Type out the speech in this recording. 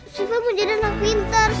siva mau jadi anak pintar